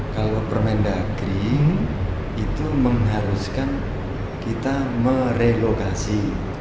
kalau permenda green itu mengharuskan kita merelokasi